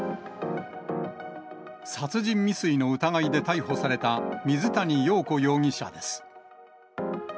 殺人未遂の疑いで逮捕された、水谷陽子容疑者です。